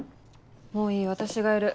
もういい私がやる。